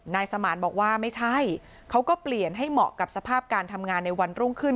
นายสมานบอกว่าไม่ใช่เขาก็เปลี่ยนให้เหมาะกับสภาพการทำงานในวันรุ่งขึ้น